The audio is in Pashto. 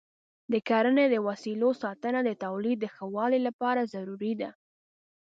د کرنې د وسایلو ساتنه د تولید د ښه والي لپاره ضروري ده.